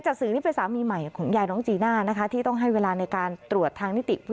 เฉยออกตามสื่อนะครับ